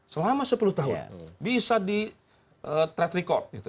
selama sepuluh tahun bisa di track record